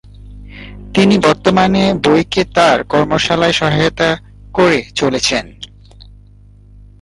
তিনি বর্তমানে বাই-কে তাঁর কর্মশালায় সহায়তা করে চলেছেন।